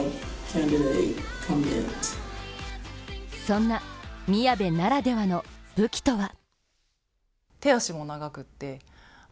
そんな宮部ならではの武器とは？